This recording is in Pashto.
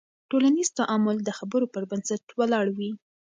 ټولنیز تعامل د خبرو پر بنسټ ولاړ وي.